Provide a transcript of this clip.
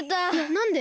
なんで？